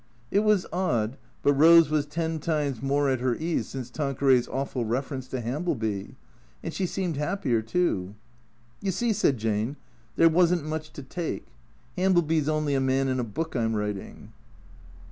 It was odd, but Kose was ten times more at her ease since Tan queray's awful reference to Hambleby. And she seemed hap pier, too. " You see," said Jane, " there was n't much to take. Ham bleby 's only a man in a book I 'm writing."